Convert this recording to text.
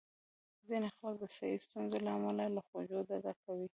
ځینې خلک د صحي ستونزو له امله له خوږو ډډه کوي.